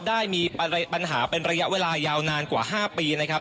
ได้มีปัญหาเป็นระยะเวลายาวนานกว่า๕ปีนะครับ